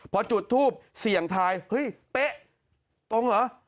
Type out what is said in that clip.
พอจุดทูปเสี่ยงทายเฮ้ยเป๊ะตรงเหรอ